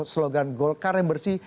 slogan golkar yang bersih